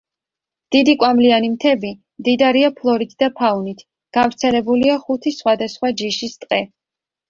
დიდი კვამლიანი მთები მდიდარია ფლორით და ფაუნით, გავრცელებულია ხუთი სხვადასხვა ჯიშის ტყე.